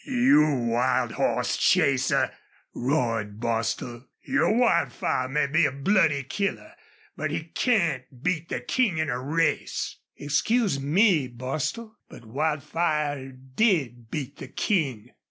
"You wild hoss chaser," roared Bostil, "your Wildfire may be a bloody killer, but he can't beat the King in a race!" "Excuse ME, Bostil, but Wildfire did beat the King!"